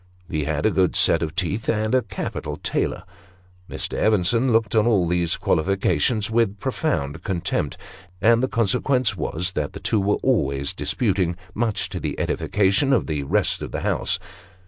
He had a good set of teeth, and a capital tailor. Mr. Evenson looked on all these qualifications with profound contempt ; and the consequence was that the two were always disputing, much to the edification of the rest of the house.